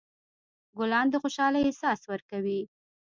ګلان د خوشحالۍ احساس ورکوي.